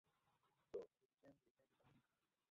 আসলে আমি আপনার আগে থেকেই ওয়েট করছিলাম, সরি।